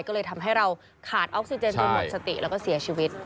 ก็เลยทำให้เราขาดออกซิเจนจนหมดสติแล้วก็เสียชีวิต